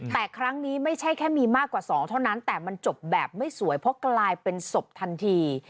แต่ครั้งนี้ไม่ใช่แค่มีมากกว่า๒เท่านั้นแต่มันจบแบบไม่สวยเพราะกลายเป็นศพทันที